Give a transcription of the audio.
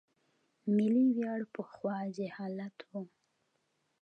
ملي ویاړ پخوا جهالت و.